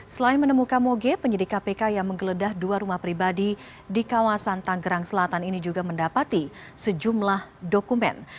selain menemukan moge penyidik kpk yang menggeledah dua rumah pribadi di kawasan tanggerang selatan ini juga mendapati sejumlah dokumen